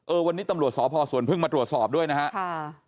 เออวันนี้ตำรวจสพสวนเพิ่งมาตรวจสอบด้วยนะครับ